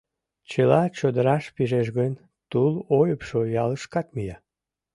Чыла чодыраш пижеш гын, тул ойыпшо ялышкат мия.